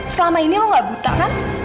selama ini lo gak buta kan